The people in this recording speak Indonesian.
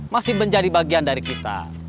masih menjadi bagian dari kita